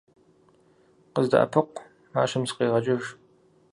КъыздэӀэпыкъу! Мащэм сыкъигъэкӀыж!